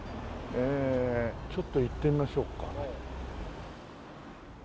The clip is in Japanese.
えちょっと行ってみましょうか。